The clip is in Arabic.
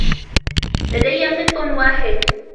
لدي قط واحد.